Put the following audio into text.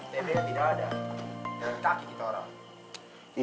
terkaki gitu roman